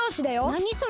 なにそれ？